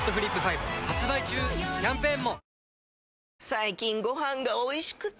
最近ご飯がおいしくて！